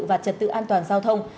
và trật tự an toàn giao thông